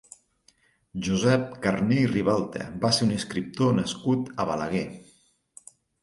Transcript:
Josep Carner i Ribalta va ser un escriptor nascut a Balaguer.